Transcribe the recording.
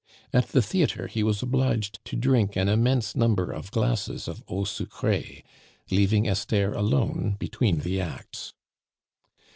At the theatre he was obliged to drink an immense number of glasses of eau sucree, leaving Esther alone between the acts.